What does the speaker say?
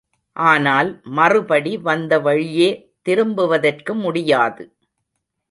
ஆனால் மறுபடி வந்த வழியே திரும்புவதற்கு முடியாது.